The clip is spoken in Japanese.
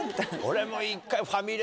俺も一回。